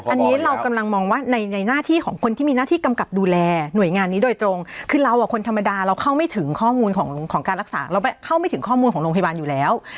อันนี้เรากำลังมองว่าในหน้าที่ของคนที่มีหน้าที่กำกับดูแลหน่วยงานนี้โดยตรงคือเราอ่ะคนธรรมดาเราเข้าไม่ถึงข้อมูลของการรักษาเราเข้าไม่ถึงข้อมูลของโรงพยาบาลอยู่แล้ว